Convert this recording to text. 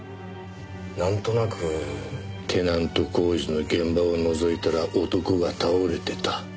テナント工事の現場をのぞいたら男が倒れてた。